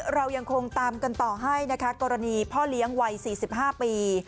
เรายังคงตามกันต่อให้นะคะกรณีพ่อเลี้ยงวัย๔๕ปี